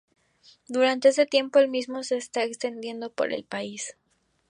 Durante ese tiempo el miedo se está extendiendo por el país.